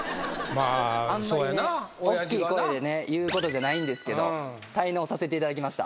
あんまり大きい声でね言うことじゃないんですけど滞納させていただきました。